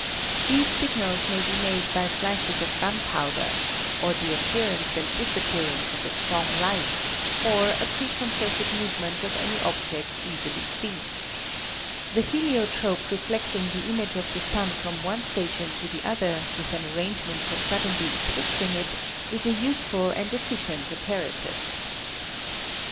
These signals may be made by flashes of gunpowder, or the appearance and disappearance of a strong light, or a pre concerted movement of any object easily seen. The heliotrope reflecting the image of the sun from one station to the other with an arrangement for suddenly eclipsing it, is a useful and efficient apparatus.